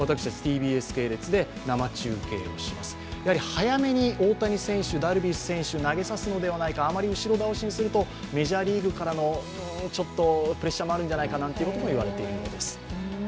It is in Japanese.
早めに大谷選手、ダルビッシュ選手を投げさせるのではないかあまり後ろ倒しにするとメジャーリーグからのプレッシャーもあるんじゃないかなんていうこともいわれているみたいです。